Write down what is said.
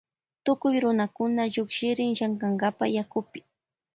Tukuy runakuna llukshirin llankankapa yakupi.